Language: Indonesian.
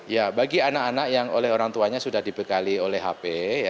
ya bagi anak anak yang oleh orang tuanya sudah dibekali oleh hp